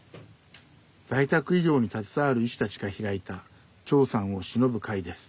在宅医療に携わる医師たちが開いた長さんをしのぶ会です。